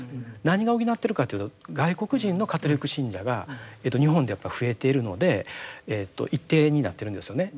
何が補っているかというと外国人のカトリック信者が日本でやっぱり増えているので一定になっているんですよね。